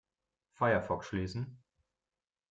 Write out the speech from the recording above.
Firefox schließen.